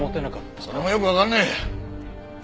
それもよくわからねえ。